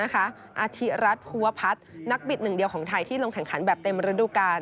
คุ้วพัดนักบิดหนึ่งเดียวของไทยที่ลงแข่งขันแบบเต็มฤดูกาล